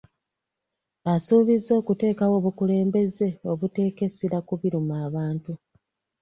Asuubiza okuteekawo obukulembeze obuteeka essira ku biruma abantu.